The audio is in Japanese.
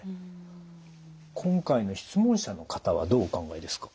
今回の質問者の方はどうお考えですか？